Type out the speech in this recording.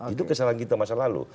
itu kesalahan kita masa lalu